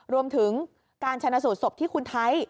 รวมถึงการชนะสูตรศพที่คุณไทย